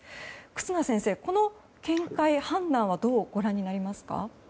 忽那先生、この見解、判断はどうご覧になりますか。